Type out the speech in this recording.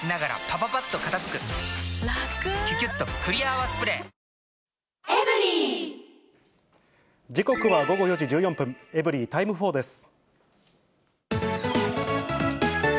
ハロー「生茶」時刻は午後４時１４分、エブリィタイム４です。